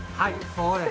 そうです。